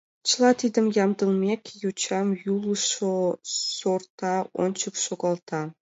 Чыла тидым ямдылымек, йочам йӱлышӧ сорта ончык шогалта.